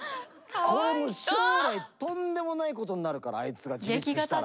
これもう将来とんでもないことになるからあいつが自立したら。